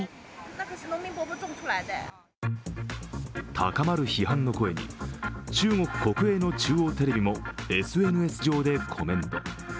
高まる批判の声に中国国営の中央テレビもＳＮＳ上でコメント。